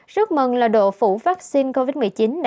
rất mừng là độ phủ vaccine covid một mươi chín